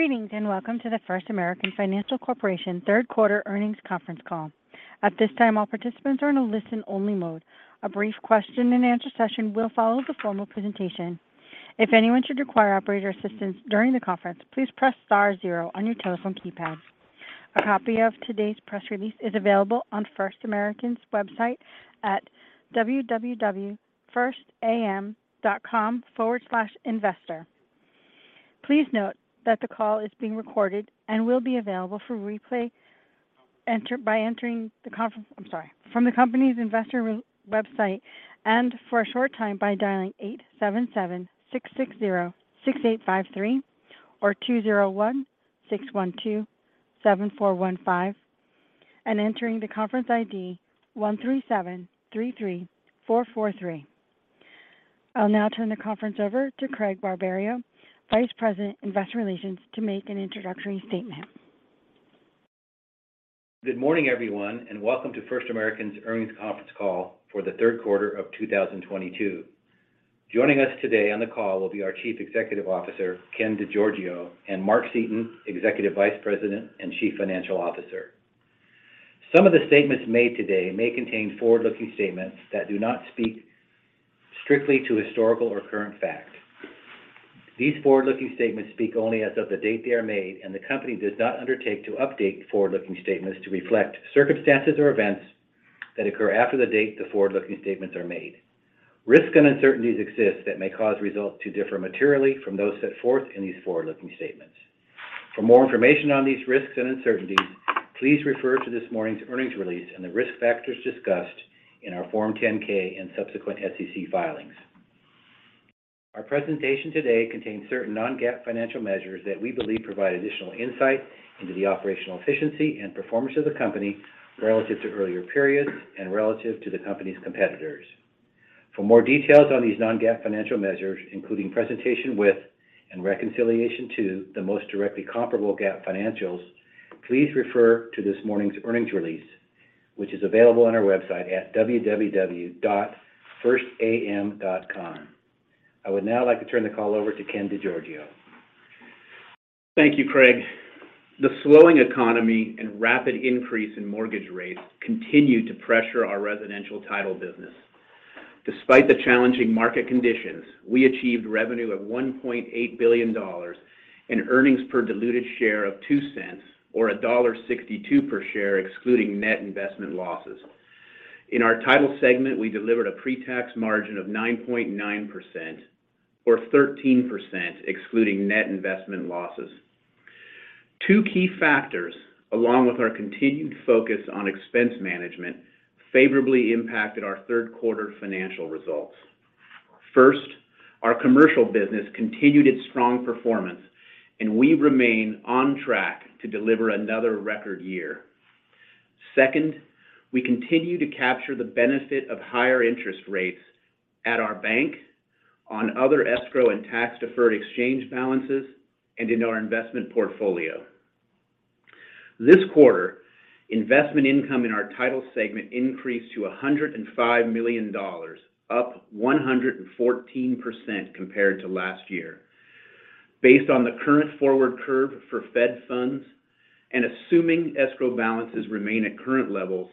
Greetings, and welcome to the First American Financial Corporation Q3 Earnings Conference Call. At this time, all participants are in a listen-only mode. A brief question and answer session will follow the formal presentation. If anyone should require operator assistance during the conference, please press star zero on your telephone keypad. A copy of today's press release is available on First American's website at www.firstam.com/investor. Please note that the call is being recorded and will be available for replay from the company's investor website and for a short time by dialing 877-660-6853 or 201-612-7415 and entering the conference ID 13733443. I'll now turn the conference over to Craig Barberio, Vice President, Investor Relations, to make an introductory statement. Good morning, everyone, and welcome to First American's Earnings Conference Call for the Q3 of 2022. Joining us today on the call will be our Chief Executive Officer, Ken DeGiorgio, and Mark Seaton, Executive Vice President and Chief Financial Officer. Some of the statements made today may contain forward-looking statements that do not speak strictly to historical or current fact. These forward-looking statements speak only as of the date they are made, and the company does not undertake to update forward-looking statements to reflect circumstances or events that occur after the date the forward-looking statements are made. Risks and uncertainties exist that may cause results to differ materially from those set forth in these forward-looking statements. For more information on these risks and uncertainties, please refer to this morning's Earnings Release and the risk factors discussed in our Form 10-K and subsequent SEC filings. Our presentation today contains certain Non-GAAP Financial Measures that we believe provide additional insight into the operational efficiency and performance of the company relative to earlier periods and relative to the company's competitors. For more details on these Non-GAAP Financial Measures, including presentation with and reconciliation to the most directly comparable GAAP Financials, please refer to this morning's Earnings Release, which is available on our website at www.firstam.com. I would now like to turn the call over to Ken DeGiorgio. Thank you, Craig. The slowing economy and rapid increase in mortgage rates continue to pressure our residential title business. Despite the challenging market conditions, we achieved revenue of $1.8 billion and earnings per diluted share of $0.02 or $1.62 per share excluding net investment losses. In our title segment, we delivered a pre-tax margin of 9.9% or 13% excluding net investment losses. Two key factors, along with our continued focus on expense management, favorably impacted our third quarter financial results. First, our commercial business continued its strong performance, and we remain on track to deliver another record year. Second, we continue to capture the benefit of higher interest rates at our bank on other escrow and tax-deferred exchange balances and in our investment portfolio. This quarter, investment income in our title segment increased to $105 million, up 114% compared to last year. Based on the current forward curve for Fed funds and assuming escrow balances remain at current levels,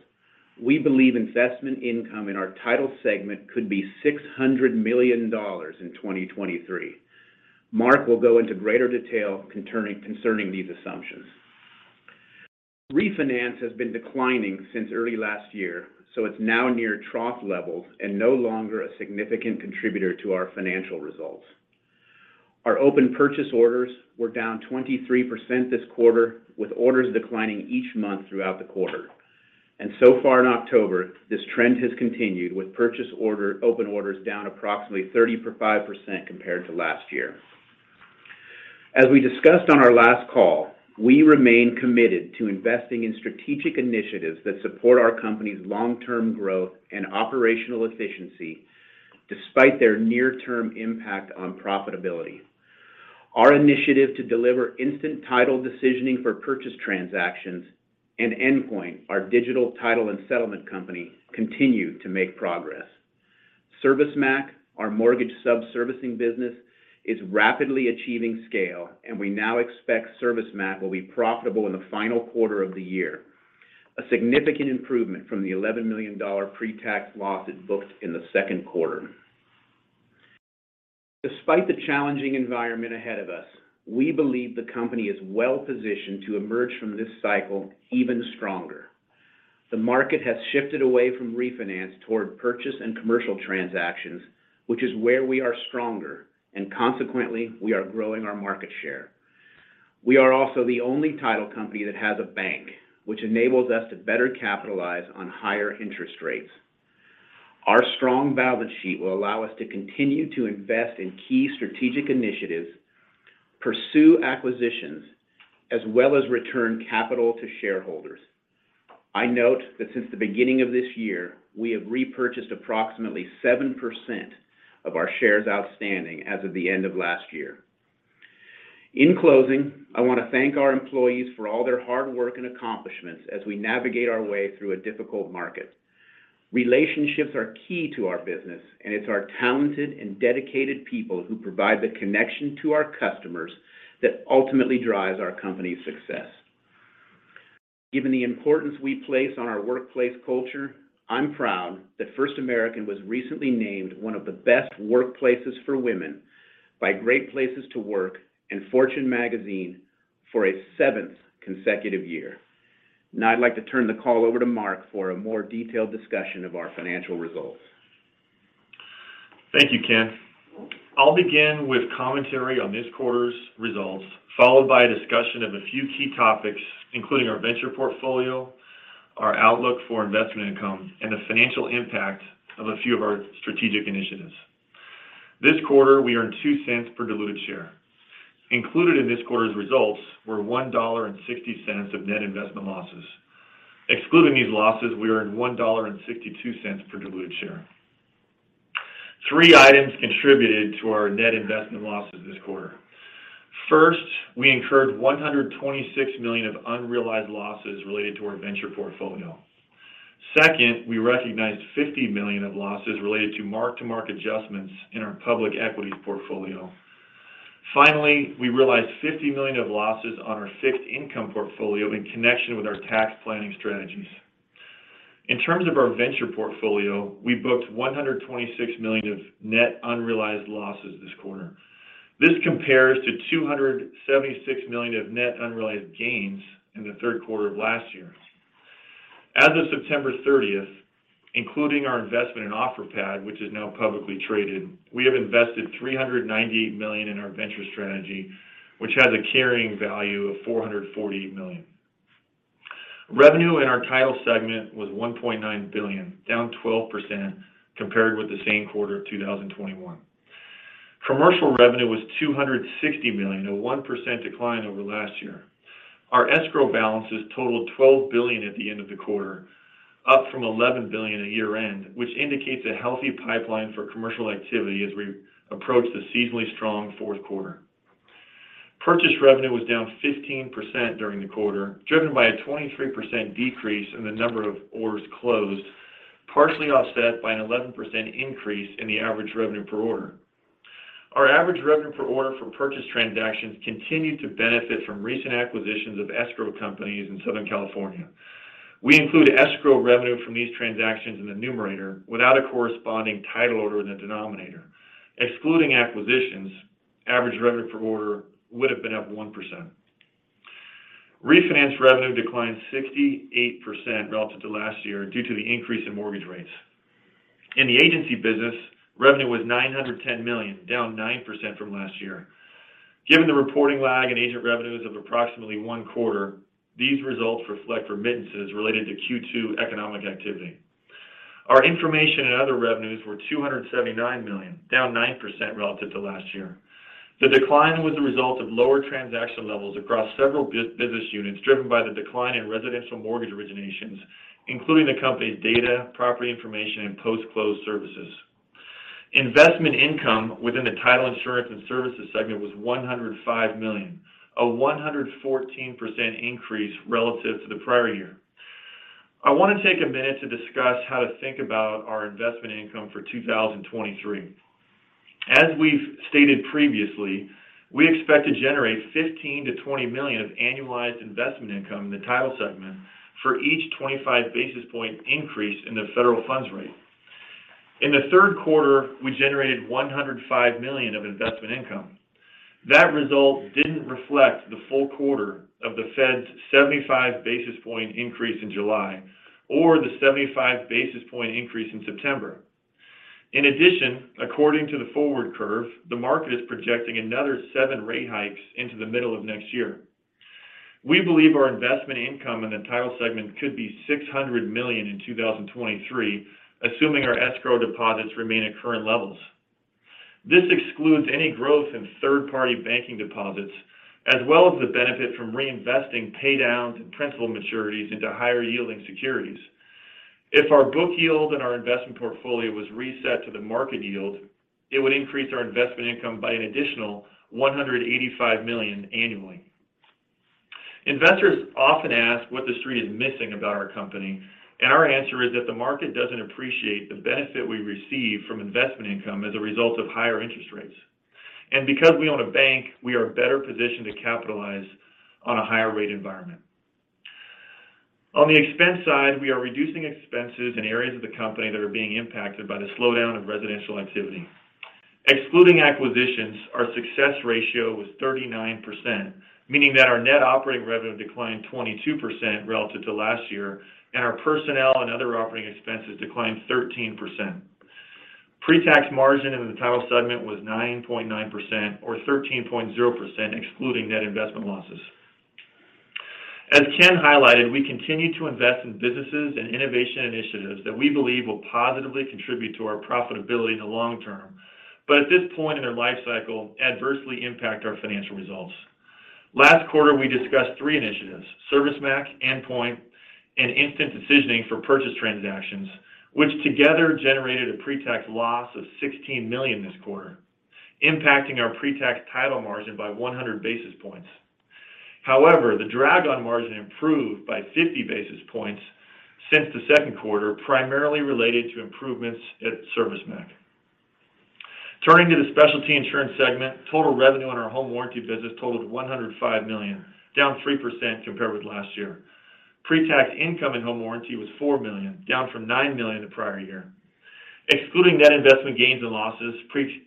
we believe investment income in our title segment could be $600 million in 2023. Mark will go into greater detail concerning these assumptions. Refinance has been declining since early last year, so it's now near trough levels and no longer a significant contributor to our financial results. Our open purchase orders were down 23% this quarter, with orders declining each month throughout the quarter. So far in October, this trend has continued with open orders down approximately 35% compared to last year. As we discussed on our last call, we remain committed to investing in strategic initiatives that support our company's long-term growth and operational efficiency despite their near-term impact on profitability. Our initiative to deliver instant title decisioning for purchase transactions and Endpoint, our digital title and settlement company, continue to make progress. ServiceMac, our mortgage sub-servicing business, is rapidly achieving scale, and we now expect ServiceMac will be profitable in the final quarter of the year. A significant improvement from the $11 million pre-tax loss it booked in the Q2. Despite the challenging environment ahead of us, we believe the company is well positioned to emerge from this cycle even stronger. The market has shifted away from refinance toward purchase and commercial transactions, which is where we are stronger, and consequently, we are growing our market share. We are also the only title company that has a bank, which enables us to better capitalize on higher interest rates. Our strong balance sheet will allow us to continue to invest in key strategic initiatives, pursue acquisitions, as well as return capital to shareholders. I note that since the beginning of this year, we have repurchased approximately 7% of our shares outstanding as of the end of last year. In closing, I want to thank our employees for all their hard work and accomplishments as we navigate our way through a difficult market. Relationships are key to our business, and it's our talented and dedicated people who provide the connection to our customers that ultimately drives our company's success. Given the importance we place on our workplace culture, I'm proud that First American was recently named one of the best workplaces for women by Great Place to Work and Fortune Magazine for a seventh consecutive year. Now I'd like to turn the call over to Mark for a more detailed discussion of our financial results. Thank you, Ken. I'll begin with commentary on this quarter's results, followed by a discussion of a few key topics, including our venture portfolio, our outlook for investment income, and the financial impact of a few of our strategic initiatives. This quarter, we earned $0.02 per diluted share. Included in this quarter's results were $1.60 of net investment losses. Excluding these losses, we earned $1.62 per diluted share. Three items contributed to our net investment losses this quarter. First, we incurred $126 million of unrealized losses related to our venture portfolio. Second, we recognized $50 million of losses related to mark-to-market adjustments in our public equity portfolio. Finally, we realized $50 million of losses on our fixed income portfolio in connection with our tax planning strategies. In terms of our venture portfolio, we booked $126 million of net unrealized losses this quarter. This compares to $276 million of net unrealized gains in the third quarter of last year. As of September thirtieth, including our investment in Offerpad, which is now publicly traded, we have invested $398 million in our venture strategy, which has a carrying value of $448 million. Revenue in our title segment was $1.9 billion, down 12% compared with the same quarter of 2021. Commercial revenue was $260 million, a 1% decline over last year. Our escrow balances totaled $12 billion at the end of the quarter, up from $11 billion at year-end, which indicates a healthy pipeline for commercial activity as we approach the seasonally strong Q4. Purchase revenue was down 15% during the quarter, driven by a 23% decrease in the number of orders closed, partially offset by an 11% increase in the average revenue per order. Our average revenue per order for purchase transactions continued to benefit from recent acquisitions of escrow companies in Southern California. We include escrow revenue from these transactions in the numerator without a corresponding title order in the denominator. Excluding acquisitions, average revenue per order would have been up 1%. Refinance revenue declined 68% relative to last year due to the increase in mortgage rates. In the agency business, revenue was $910 million, down 9% from last year. Given the reporting lag in agent revenues of approximately 1 quarter, these results reflect remittances related to Q2 economic activity. Our information and other revenues were $279 million, down 9% relative to last year. The decline was a result of lower transaction levels across several business units, driven by the decline in residential mortgage originations, including the company's data, property information, and post-close services. Investment income within the title insurance and services segment was $105 million, a 114% increase relative to the prior year. I want to take a minute to discuss how to think about our investment income for 2023. As we've stated previously, we expect to generate $15 million-$20 million of annualized investment income in the title segment for each 25 basis point increase in the federal funds rate. In the Q3, we generated $105 million of investment income. That result didn't reflect the full quarter of the Fed's 75 basis point increase in July or the 75 basis point increase in September. In addition, according to the forward curve, the market is projecting another seven rate hikes into the middle of next year. We believe our investment income in the title segment could be $600 million in 2023, assuming our escrow deposits remain at current levels. This excludes any growth in third-party banking deposits as well as the benefit from reinvesting paydowns and principal maturities into higher-yielding securities. If our book yield in our investment portfolio was reset to the market yield, it would increase our investment income by an additional $185 million annually. Investors often ask what the Street is missing about our company, and our answer is that the market doesn't appreciate the benefit we receive from investment income as a result of higher interest rates. Because we own a bank, we are better positioned to capitalize on a higher rate environment. On the expense side, we are reducing expenses in areas of the company that are being impacted by the slowdown of residential activity. Excluding acquisitions, our success ratio was 39%, meaning that our net operating revenue declined 22% relative to last year, and our personnel and other operating expenses declined 13%. Pre-tax margin in the title segment was 9.9% or 13.0% excluding net investment losses. As Ken highlighted, we continue to invest in businesses and innovation initiatives that we believe will positively contribute to our profitability in the long term, but at this point in their life cycle, adversely impact our financial results. Last quarter, we discussed three initiatives, ServiceMac, Endpoint, and Instant Decision for purchase transactions, which together generated a pre-tax loss of $16 million this quarter, impacting our pre-tax title margin by 100 basis points. However, the drag on margin improved by 50 basis points since the second quarter, primarily related to improvements at ServiceMac. Turning to the specialty insurance segment, total revenue on our home warranty business totaled $105 million, down 3% compared with last year. Pre-tax income in home warranty was $4 million, down from $9 million the prior year. Excluding net investment gains and losses,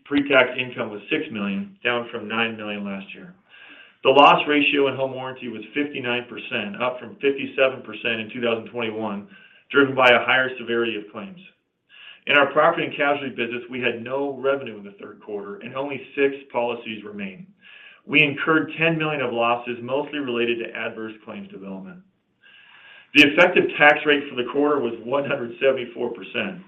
pre-tax income was $6 million, down from $9 million last year. The loss ratio in home warranty was 59%, up from 57% in 2021, driven by a higher severity of claims. In our property and casualty business, we had no revenue in the third quarter and only six policies remain. We incurred $10 million of losses, mostly related to adverse claims development. The effective tax rate for the quarter was 174%.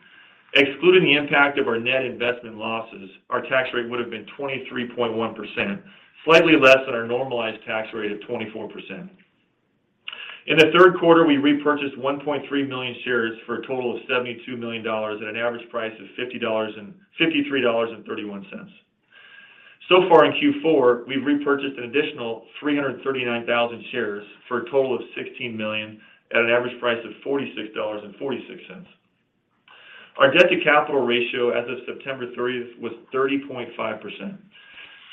Excluding the impact of our net investment losses, our tax rate would have been 23.1%, slightly less than our normalized tax rate of 24%. In the third quarter, we repurchased 1.3 million shares for a total of $72 million at an average price of $53.31. So far in Q4, we've repurchased an additional 339,000 shares for a total of $16 million at an average price of $46.46. Our debt-to-capital ratio as of September thirtieth was 30.5%.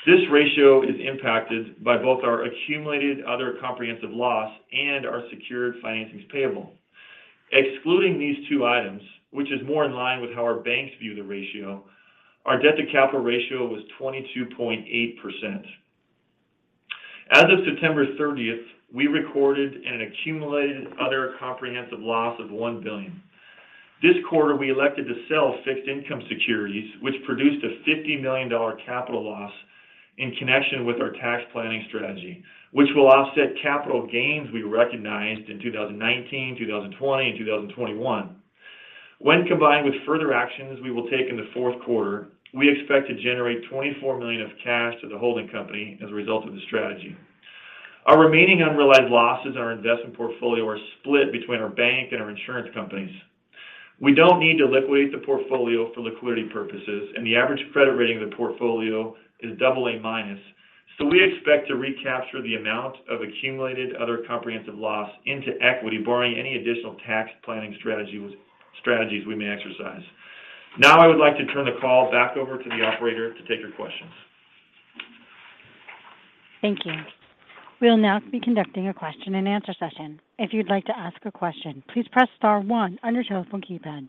This ratio is impacted by both our accumulated other comprehensive loss and our secured financings payable. Excluding these two items, which is more in line with how our banks view the ratio, our debt-to-capital ratio was 22.8%. As of September thirtieth, we recorded an accumulated other comprehensive loss of $1 billion. This quarter, we elected to sell fixed income securities, which produced a $50 million capital loss in connection with our tax planning strategy, which will offset capital gains we recognized in 2019, 2020, and 2021. When combined with further actions we will take in the Q4, we expect to generate $24 million of cash to the holding company as a result of the strategy. Our remaining unrealized losses in our investment portfolio are split between our bank and our insurance companies. We don't need to liquidate the portfolio for liquidity purposes, and the average credit rating of the portfolio is AA-. We expect to recapture the amount of accumulated other comprehensive loss into equity, barring any additional tax planning strategies we may exercise. Now I would like to turn the call back over to the operator to take your questions. Thank you. We'll now be conducting a question-and-answer session. If you'd like to ask a question, please press star one on your telephone keypad.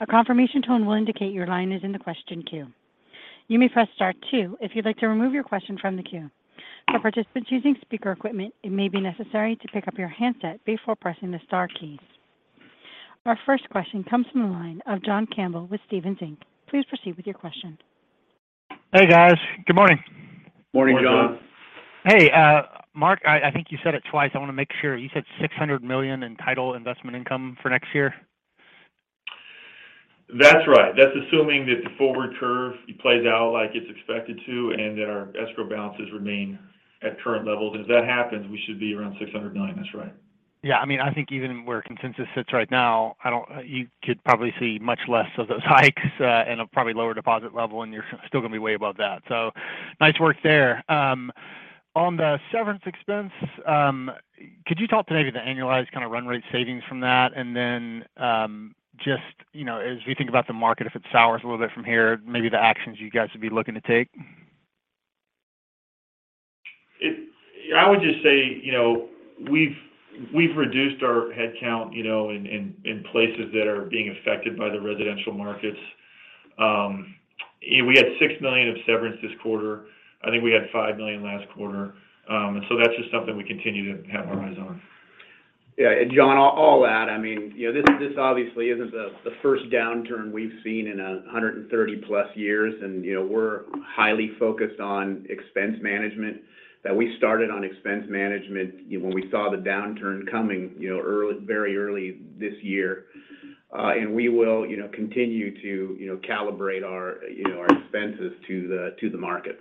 A confirmation tone will indicate your line is in the question queue. You may press star two if you'd like to remove your question from the queue. For participants using speaker equipment, it may be necessary to pick up your handset before pressing the star keys. Our first question comes from the line of John Campbell with Stephens Inc. Please proceed with your question. Hey, guys. Good morning. Morning, John. Morning. Hey, Mark, I think you said it twice. I want to make sure. You said $600 million in title investment income for next year? That's right. That's assuming that the forward curve plays out like it's expected to, and that our escrow balances remain at current levels. If that happens, we should be around $600 million. That's right. Yeah, I mean, I think even where consensus sits right now, you could probably see much less of those hikes, and a probably lower deposit level, and you're still gonna be way above that. Nice work there. On the severance expense, could you talk to maybe the annualized kind of run rate savings from that? Just, you know, as we think about the market, if it sours a little bit from here, maybe the actions you guys would be looking to take. I would just say, you know, we've reduced our headcount, you know, in places that are being affected by the residential markets. You know, we had $6 million of severance this quarter. I think we had $5 million last quarter. That's just something we continue to have our eyes on. Yeah, John, I'll add, I mean, you know, this obviously isn't the first downturn we've seen in 130-plus years. You know, we're highly focused on expense management that we started on expense management when we saw the downturn coming, you know, early, very early this year. We will, you know, continue to, you know, calibrate our, you know, our expenses to the market.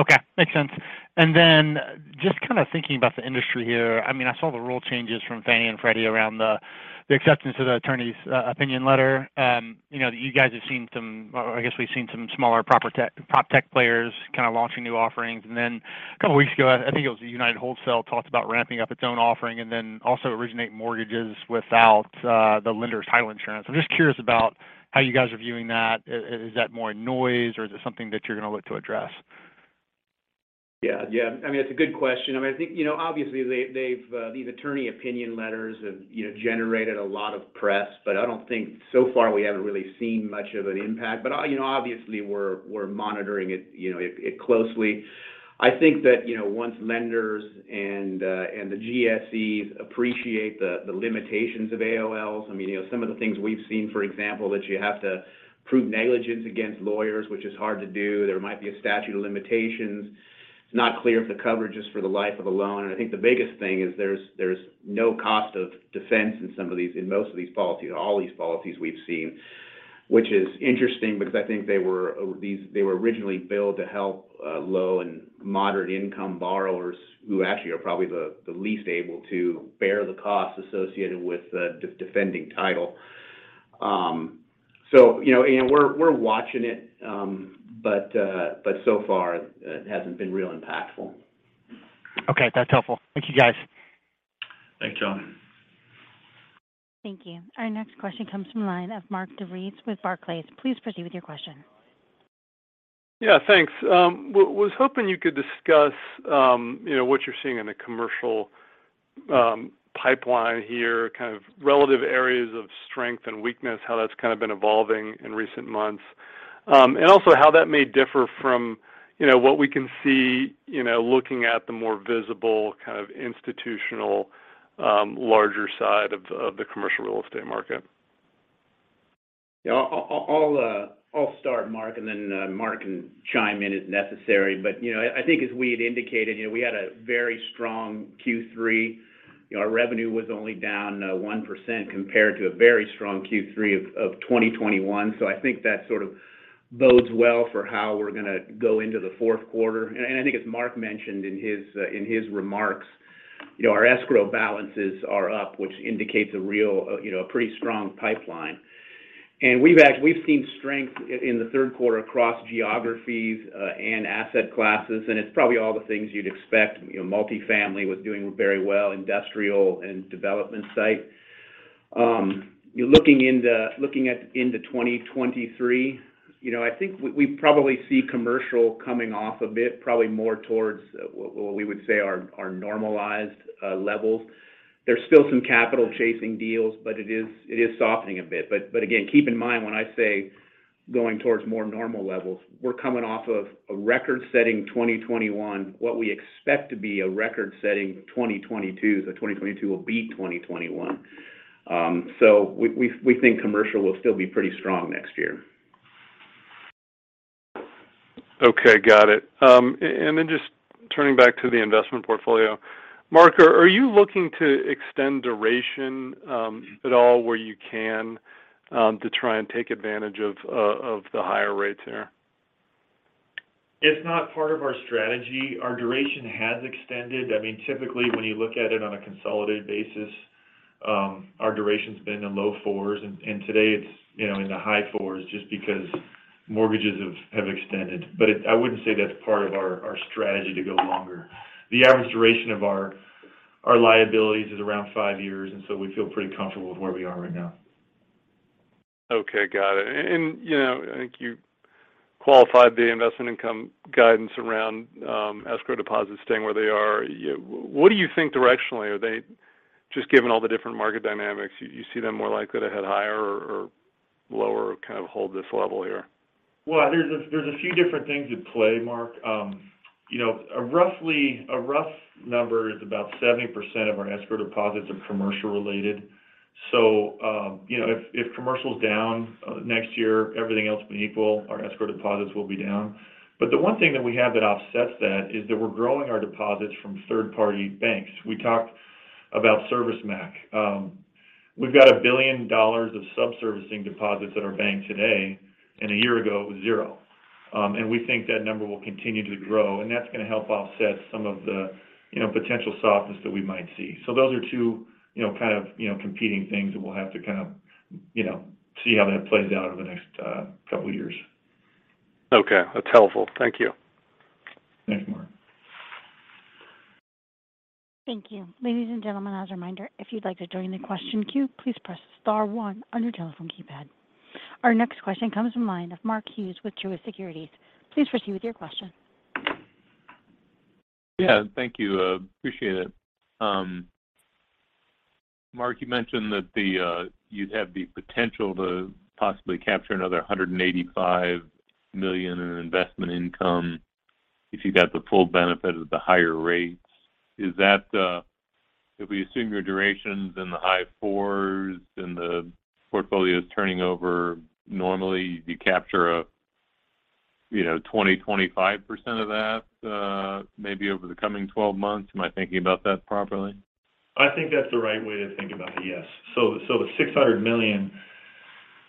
Okay. Makes sense. Just kind of thinking about the industry here, I mean, I saw the rule changes from Fannie Mae and Freddie Mac around the acceptance of the attorney's opinion letter. You know, you guys have seen some. Or I guess we've seen some smaller Proptech players kind of launching new offerings. A couple of weeks ago, I think it was United Wholesale Mortgage, talked about ramping up its own offering and then also originate mortgages without the lender's title insurance. I'm just curious about how you guys are viewing that. Is that more noise or is it something that you're going to look to address? Yeah. I mean, it's a good question. I mean, I think, you know, obviously, these attorney opinion letters have, you know, generated a lot of press. I don't think so far we haven't really seen much of an impact. You know, obviously, we're monitoring it, you know, it closely. I think that, you know, once lenders and the GSEs appreciate the limitations of AOLs. I mean, you know, some of the things we've seen, for example, that you have to prove negligence against lawyers, which is hard to do. There might be a statute of limitations. It's not clear if the coverage is for the life of a loan. I think the biggest thing is there's no cost of defense in some of these, in most of these policies, all these policies we've seen, which is interesting because I think they were originally built to help low and moderate income borrowers who actually are probably the least able to bear the cost associated with defending title. You know, Ian, we're watching it, but so far it hasn't been real impactful. Okay, that's helpful. Thank you, guys. Thanks, John. Thank you. Our next question comes from the line of Mark DeVries with Barclays. Please proceed with your question. Yeah, thanks. Was hoping you could discuss, you know, what you're seeing in the commercial pipeline here, kind of relative areas of strength and weakness, how that's kind of been evolving in recent months. Also how that may differ from, you know, what we can see, you know, looking at the more visible kind of institutional larger side of the commercial real estate market. Yeah. I'll start, Mark, and then Mark can chime in as necessary. You know, I think as we had indicated, you know, we had a very strong Q3. You know, our revenue was only down 1% compared to a very strong Q3 of 2021, so I think that sort of bodes well for how we're gonna go into the Q4. I think as Mark mentioned in his remarks, you know, our escrow balances are up, which indicates a real, you know, a pretty strong pipeline. We've seen strength in the Q3 across geographies and asset classes, and it's probably all the things you'd expect. You know, multifamily was doing very well, industrial and development site. Looking at 2023, you know, I think we probably see commercial coming off a bit, probably more towards well, we would say our normalized levels. There's still some capital chasing deals, but it is softening a bit. Again, keep in mind when I say going towards more normal levels, we're coming off of a record-setting 2021. What we expect to be a record-setting 2022 will beat 2021. We think commercial will still be pretty strong next year. Okay, got it. Just turning back to the Investment Portfolio. Mark, are you looking to extend duration at all where you can to try and take advantage of the higher rates there? It's not part of our strategy. Our duration has extended. I mean, typically when you look at it on a consolidated basis, our duration's been in low fours, and today it's, you know, in the high fours just because mortgages have extended. But I wouldn't say that's part of our strategy to go longer. The average duration of our liabilities is around five years, and so we feel pretty comfortable with where we are right now. Okay, got it. You know, I think you qualified the investment income guidance around escrow deposits staying where they are. What do you think directionally? Are they just given all the different market dynamics, you see them more likely to head higher or lower or kind of hold this level here? Well, there's a few different things at play, Mark. A rough number is about 70% of our escrow deposits are commercial related. If commercial's down next year, everything else being equal, our escrow deposits will be down. The one thing that we have that offsets that is that we're growing our deposits from third-party banks. We talked about ServiceMac. We've got $1 billion of subservicing deposits at our bank today, and a year ago it was zero. We think that number will continue to grow, and that's going to help offset some of the, you know, potential softness that we might see. Those are two, you know, kind of, you know, competing things, and we'll have to kind of, you know, see how that plays out over the next couple years. Okay, that's helpful. Thank you. Thanks, Mark. Thank you. Ladies and gentlemen, as a reminder, if you'd like to join the question queue, please press star one on your telephone keypad. Our next question comes from line of Mark Hughes with Truist Securities. Please proceed with your question. Yeah. Thank you. Appreciate it. Mark, you mentioned that you have the potential to possibly capture another $185 million in investment income if you got the full benefit of the higher rates. Is that, if we assume your duration's in the high fours and the portfolio's turning over normally, you capture a, you know, 20-25% of that, maybe over the coming 12 months? Am I thinking about that properly? I think that's the right way to think about it, yes. The $600 million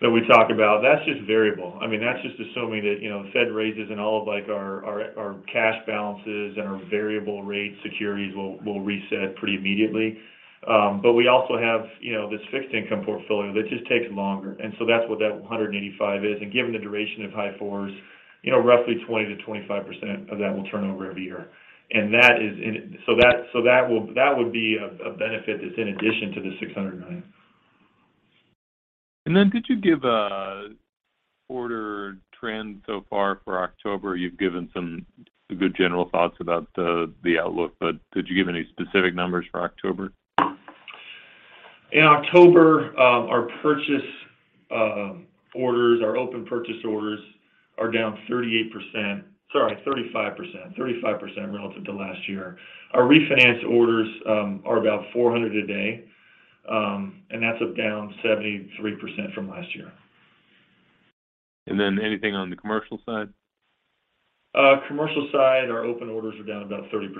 that we talk about, that's just variable. I mean, that's just assuming that, you know, Fed raises and all of like our cash balances and our variable rate securities will reset pretty immediately. We also have, you know, this fixed income portfolio that just takes longer, and so that's what that $185 million is. Given the duration of high fours, you know, roughly 20%-25% of that will turn over every year. That would be a benefit that's in addition to the $600 million. Could you give an order trend so far for October? You've given some good general thoughts about the outlook, but did you give any specific numbers for October? In October, our open purchase orders are down 38%. Sorry, 35%. 35% relative to last year. Our refinance orders are about 400 a day, and that's down 73% from last year. Anything on the commercial side? Commercial side, our open orders are down about 30%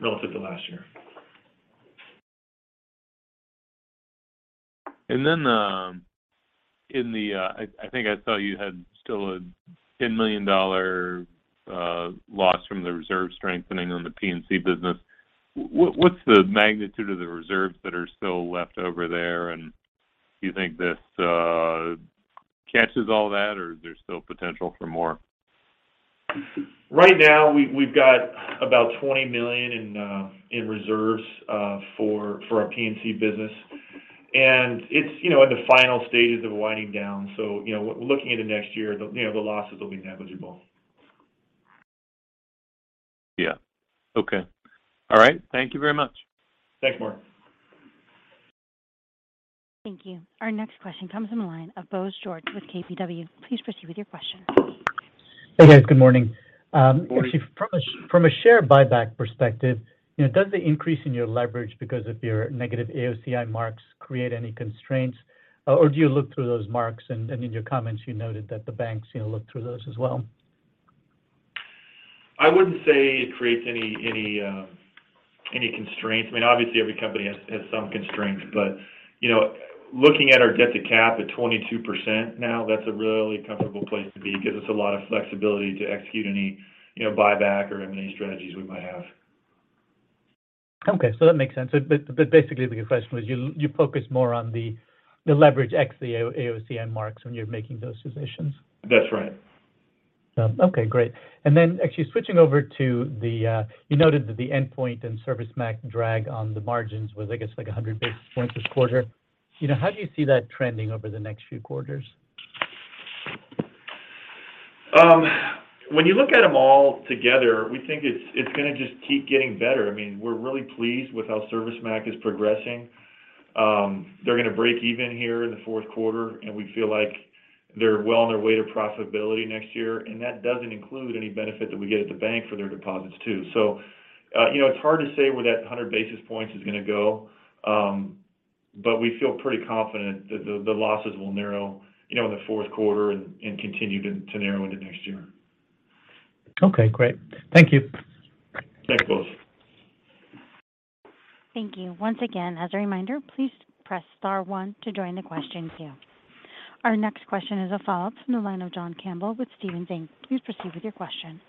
relative to last year. And then, um- I think I saw you had still a $10 million loss from the reserve strengthening on the P&C business. What's the magnitude of the reserves that are still left over there? Do you think this catches all that or is there still potential for more? Right now, we've got about $20 million in reserves for our P&C business. It's, you know, in the final stages of winding down. You know, looking into next year, the losses will be negligible. Yeah. Okay. All right. Thank you very much. Thanks, Mark. Thank you. Our next question comes from the line of Bose George with KBW. Please proceed with your question. Hey, guys. Good morning. Morning. Actually from a share buyback perspective, you know, does the increase in your leverage because of your negative AOCI marks create any constraints? Or do you look through those marks? In your comments, you noted that the banks, you know, look through those as well. I wouldn't say it creates any constraints. I mean, obviously every company has some constraints. You know, looking at our debt to cap at 22% now, that's a really comfortable place to be. Gives us a lot of flexibility to execute any, you know, buyback or M&A strategies we might have. That makes sense. Basically the question was you focus more on the leverage ex the AOCI marks when you're making those decisions? That's right. Actually switching over to the, you noted that the Endpoint and ServiceMac drag on the margins was, I guess, like 100 basis points this quarter. You know, how do you see that trending over the next few quarters? When you look at them all together, we think it's gonna just keep getting better. I mean, we're really pleased with how ServiceMac is progressing. They're gonna break even here in the Q4, and we feel like they're well on their way to profitability next year. That doesn't include any benefit that we get at the bank for their deposits, too. You know, it's hard to say where that 100 basis points is gonna go. We feel pretty confident that the losses will narrow, you know, in the Q4 and continue to narrow into next year. Okay. Great. Thank you. Thanks, Bose. Thank you. Once again, as a reminder, please press star one to join the question queue. Our next question is a follow-up from the line of John Campbell with Stephens Inc. Please proceed with your question.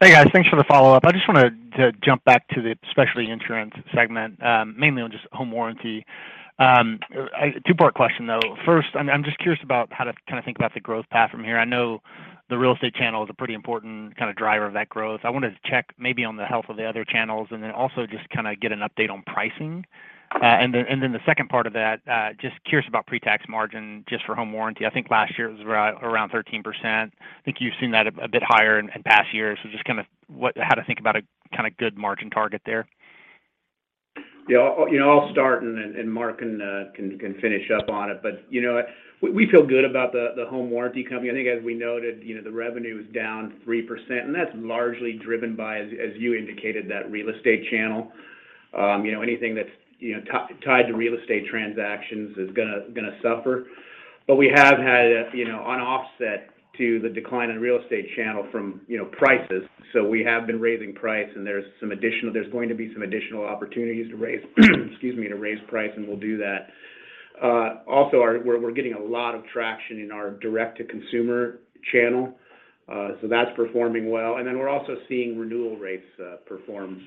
Hey, guys. Thanks for the follow-up. I just wanted to jump back to the specialty insurance segment, mainly on just home warranty. Two-part question though. First, I'm just curious about how to kinda think about the growth path from here. I know the real estate channel is a pretty important kinda driver of that growth. I wanted to check maybe on the health of the other channels and then also just kinda get an update on pricing. And then the second part of that, just curious about pre-tax margin just for home warranty. I think last year it was around 13%. I think you've seen that a bit higher in past years. So just kinda how to think about a kinda good margin target there. Yeah. I'll start and Mark can finish up on it. You know, we feel good about the home warranty company. I think as we noted, you know, the revenue is down 3%, and that's largely driven by, as you indicated, that real estate channel. You know, anything that's tied to real estate transactions is gonna suffer. We have had an offset to the decline in real estate channel from prices. We have been raising price and there's going to be some additional opportunities to raise price, and we'll do that. Also we're getting a lot of traction in our direct-to-consumer channel. That's performing well. We're also seeing renewal rates perform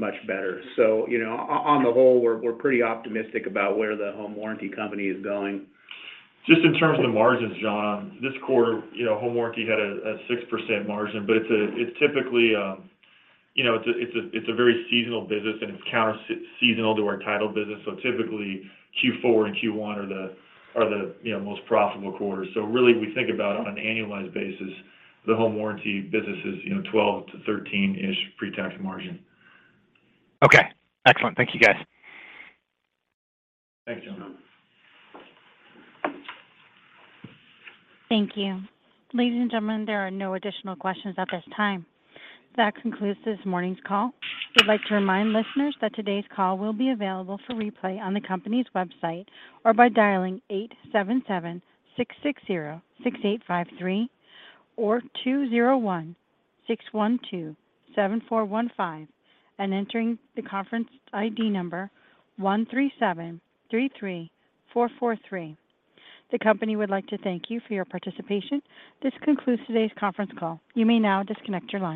much better. You know, on the whole, we're pretty optimistic about where the home warranty company is going. Just in terms of the margins, John, this quarter, you know, home warranty had a 6% margin, but it's typically, you know, it's a very seasonal business and it's counter-seasonal to our title business. Typically Q4 and Q1 are the most profitable quarters. Really we think about on an annualized basis, the home warranty business is, you know, 12%-13% ish pre-tax margin. Okay. Excellent. Thank you, guys. Thanks, John. Thank you. Ladies and gentlemen, there are no additional questions at this time. This concludes this morning's call. We'd like to remind listeners that today's call will be available for replay on the company's website or by dialing 877-660-6853 or 201-612-7415 and entering the conference ID number 13733443. The company would like to thank you for your participation. This concludes today's conference call. You may now disconnect your line.